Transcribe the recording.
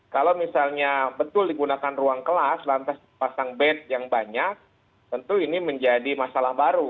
kalau misalnya betul digunakan ruang kelas lantas pasang bed yang banyak tentu ini menjadi masalah baru